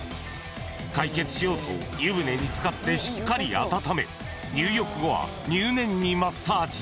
解決しようと湯船に浸かってしっかり温め入浴後は入念にマッサージ。